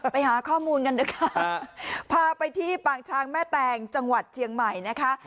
ไปหาข้อมูลกันนะคะพาไปที่ปางช้างแม่แตงจังหวัดเชียงใหม่นะคะ